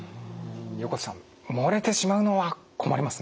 横手さんもれてしまうのは困りますね。